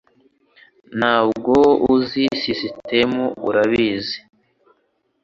Ntabwo uzi sisitemu urabizi